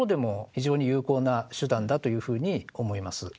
非常に有効な手段だというふうに思います。